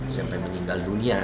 sampai meninggal dunia